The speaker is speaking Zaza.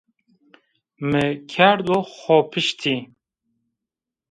Mi kerdo xo piştî